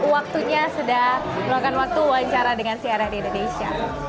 waktunya sudah meluangkan waktu wawancara dengan si aradidadesia